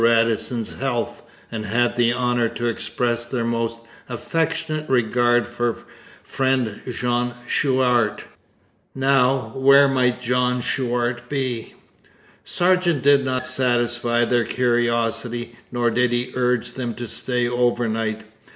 Radisson's health, and had the honour to express their most affectionate regard for friend Jean Chouart. Now where might Jean Chouart be? Sargeant did not satisfy their curiosity, nor did he urge them to stay overnight.